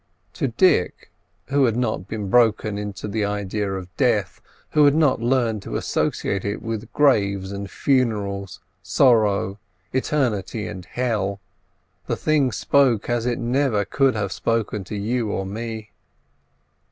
To Dick, who had not been broken into the idea of death, who had not learned to associate it with graves and funerals, sorrow, eternity, and hell, the thing spoke as it never could have spoken to you or me.